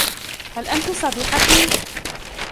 هل أنتِ صديقتي ؟